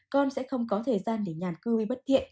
con sẽ không có thời gian để nhàn cư hay bất thiện